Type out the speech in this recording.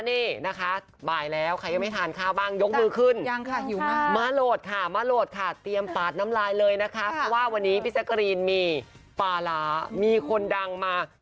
นี่นะคะบ่ายแล้วใครยังไม่ทานขาวบ้าง